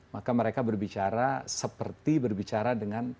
maka mereka berbicara seperti berbicara dengan